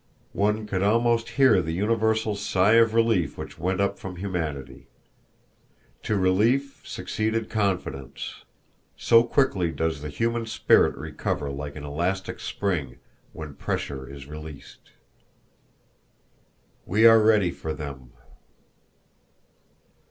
One could almost hear the universal sigh of relief which went up from humanity. To relief succeeded confidence so quickly does the human spirit recover like an elastic spring, when pressure is released. "We Are Ready for Them!"